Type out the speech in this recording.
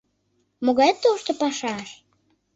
— Могай тошто пашаш?